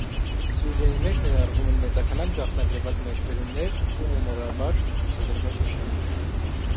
Սյուժեի մեջ ներառվում են մեծաքանակ գաղտնագրված մեջբերումներ ու հումորաբար ցուցադրված նշաններ։